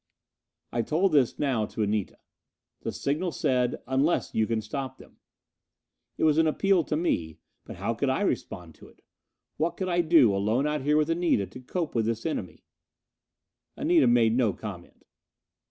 I told this now to Anita. "The signal said, 'Unless you can stop them.'" It was an appeal to me. But how could I respond to it? What could I do, alone out here with Anita, to cope with this enemy? Anita made no comment.